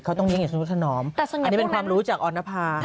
เขาต้องเลี้ยอย่างสมมุติถนอมอันนี้เป็นความรู้จากออนภา